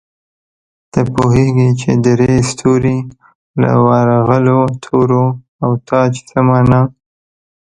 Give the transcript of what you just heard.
ته پوهېږې چې درې ستوري، له ورغلو تورو او تاج څه مانا؟